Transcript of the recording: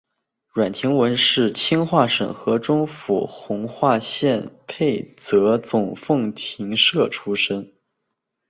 阮廷闻是清化省河中府弘化县沛泽总凤亭社出生。